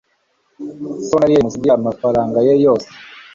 Se wa Mariya yamusigiye amafaranga ye yose